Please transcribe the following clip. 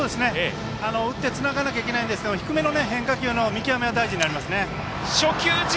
打ってつながなきゃいけないんですけど低めの変化球の見極めが大事になりますね。